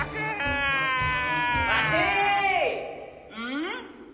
うん？